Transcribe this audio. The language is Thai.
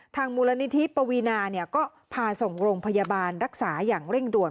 ทางฮปวีนาเนี่ยก็พาส่งโรงพยาบาลรักษาอย่างเร่งด่วน